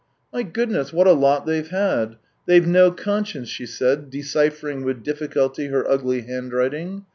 " My goodness, what a lot they've had ! They've no conscience !" she said, deciphering with diffi culty her ugly handwriting.